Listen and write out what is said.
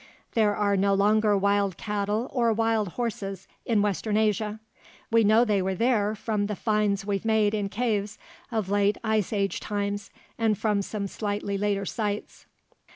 There are no longer wild cattle or wild horses in western Asia. We know they were there from the finds we've made in caves of late Ice Age times, and from some slightly later sites.